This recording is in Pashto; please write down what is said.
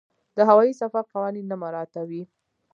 د هوايي سفر قوانین نه مراعاتوي.